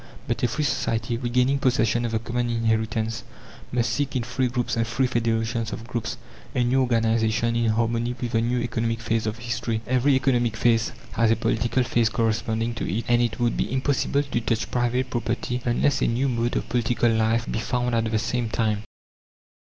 But a free society, regaining possession of the common inheritance, must seek in free groups and free federations of groups, a new organization, in harmony with the new economic phase of history. Every economic phase has a political phase corresponding to it, and it would be impossible to touch private property unless a new mode of political life be found at the same time.